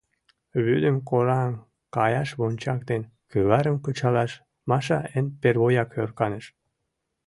Вӱдым кораҥ каяш вончак ден кӱварым кычалаш Маша эн первояк ӧрканыш.